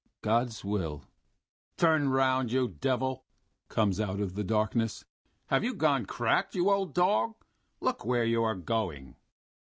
God's will." "Turn round, you devil!" comes out of the darkness. "Have you gone cracked, you old dog? Look where you are going!"